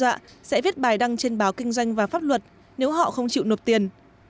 hãy viết bài đăng trên báo kinh doanh và pháp luật nếu họ không chịu nộp tiền